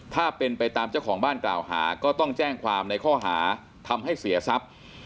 ถ้าเป็นไปตามเจ้าของบ้านกล่าวหาก็ต้องแจ้งความในข้อหาทำให้เสียทรัพย์